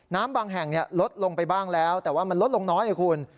น้ำบางแห่งลดลงไปบ้างแล้วแต่ว่ามันลดลงน้อยไงคุณ